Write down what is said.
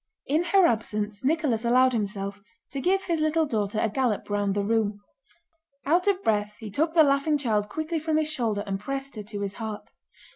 In her absence Nicholas allowed himself to give his little daughter a gallop round the room. Out of breath, he took the laughing child quickly from his shoulder and pressed her to his heart.